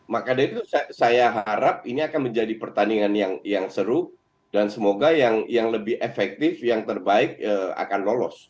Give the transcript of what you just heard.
maka dari itu saya harap ini akan menjadi pertandingan yang seru dan semoga yang lebih efektif yang terbaik akan lolos